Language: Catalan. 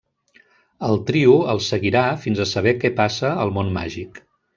El trio els seguirà fins a saber que passa al món màgic.